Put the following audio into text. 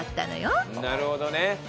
なるほどね。